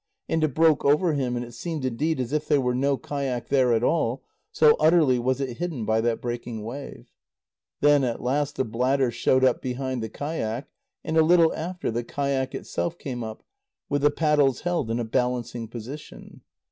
And it broke over him, and it seemed indeed as if there were no kayak there at all, so utterly was it hidden by that breaking wave. Then at last the bladder showed up behind the kayak, and a little after, the kayak itself came up, with the paddles held in a balancing position.